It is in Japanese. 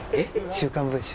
『週刊文春』？